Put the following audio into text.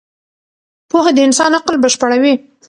پوهه د انسان عقل بشپړوي.